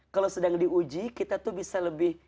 kalau sedang diuji kita tuh bisa lebih